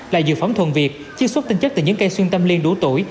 là dược phẩm thuần việt chiết xuất tinh chất từ những cây xuyên tâm liên đủ tuổi